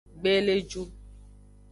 Gbeleju.